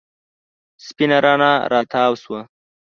سپېنه رڼا راتاو شوه.